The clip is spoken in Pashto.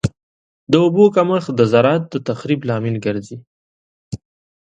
د اوبو کمښت د زراعت د تخریب لامل ګرځي.